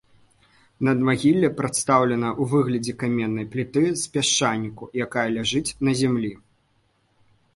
Надмагілле прадстаўлена ў выглядзе каменнай пліты з пясчаніку, якая ляжыць на зямлі.